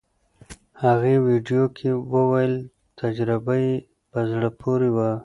هغې ویډیو کې وویل تجربه یې په زړه پورې وه.